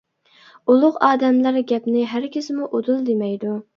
ئۇلۇغ ئادەملەر گەپنى ھەرگىزمۇ ئۇدۇل دېمەيدۇ.